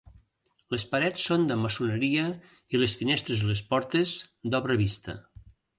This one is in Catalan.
Les parets són de maçoneria i les finestres i les portes, d'obra vista.